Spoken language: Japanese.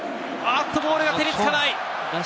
ボールが手につかない。